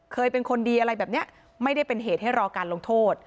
เคยเป็นคนดีอะไรแบบนี้ไม่ได้เป็นเหตุให้รอการลงโทษ